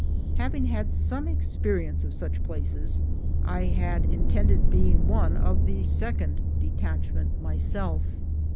Having had some experience of such places, I had intended being one of the second detachment myself.